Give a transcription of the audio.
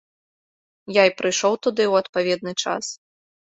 Я й прыйшоў туды ў адпаведны час.